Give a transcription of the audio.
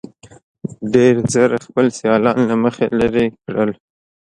ډېر ژر خپل سیالان له مخې لرې کړل.